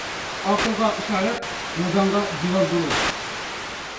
ئاقىلغا ئىشارەت، نادانغا جۇۋالدۇرۇز.